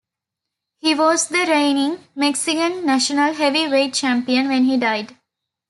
He was the reigning Mexican National Heavyweight Champion when he died.